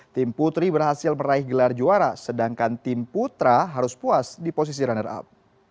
tim putri berhasil meraih gelar juara sedangkan tim putra harus puas di posisi runner up